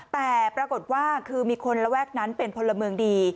แต่ปรากฏว่าคือมีคนระแวกนั้นเป็นพลเมืองดี